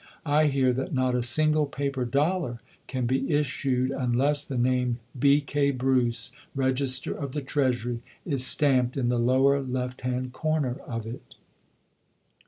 I hear that not a single paper dollar can be issued unless the name *B. K. Bruce, Register of the Treasury', is stamped in the lower left hand corner of it".